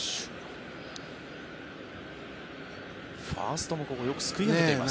ファーストもよくここ、すくい上げています。